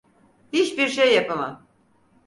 Hiçbir şey yapamam.